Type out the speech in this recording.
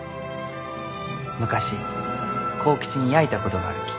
昔幸吉にやいたことがあるき。